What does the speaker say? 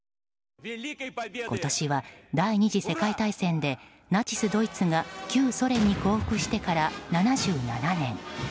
今年は第２次世界大戦でナチスドイツが旧ソ連に降伏してから７７年。